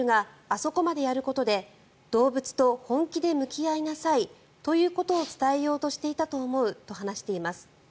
そこまでやることで動物と本気で向き合いなさいということを伝えようとしていたと思うと話しています。